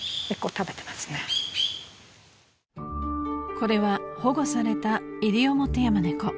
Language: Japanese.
［これは保護されたイリオモテヤマネコ］